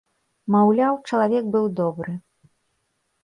Маўляў, чалавек быў добры.